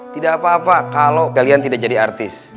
tidak apa apa kalau kalian tidak jadi artis